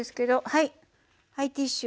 はいはいティッシュ